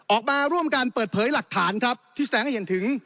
ออกมาร่วมกันเปิดเผยหลักฐานครับที่แสดงให้เห็นถึง